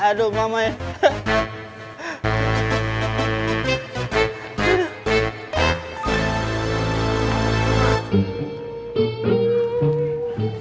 aduh mama ya